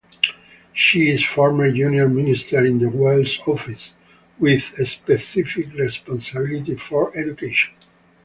She is former junior minister in the Wales Office, with specific responsibility for education.